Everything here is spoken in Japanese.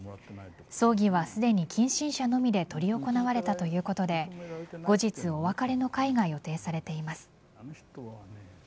葬儀はすでに近親者のみで執り行われたということで後日お別れの会が予定されています。